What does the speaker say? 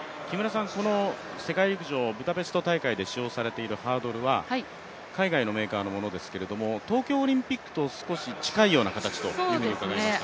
この世界陸上、ブダペスト大会で使用されているハードルは海外のメーカーのものですけれども、東京オリンピックと少し近いような形ということですが。